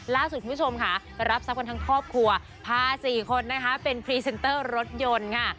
ล่าสุดคุณผู้ชมค่ะรับทรัพย์กันทั้งครอบครัวพาสี่คนนะคะเป็นพรีเซนเตอร์รถยนต์ค่ะ